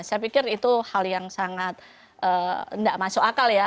saya pikir itu hal yang sangat tidak masuk akal ya